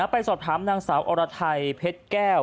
ไปสอบถามนางสาวอรไทยเพชรแก้ว